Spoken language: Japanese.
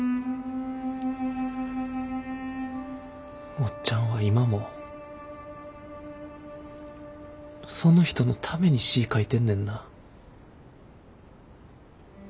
おっちゃんは今もその人のために詩ぃ書いてんねんな。